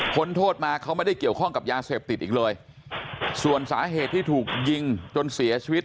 โทษมาเขาไม่ได้เกี่ยวข้องกับยาเสพติดอีกเลยส่วนสาเหตุที่ถูกยิงจนเสียชีวิต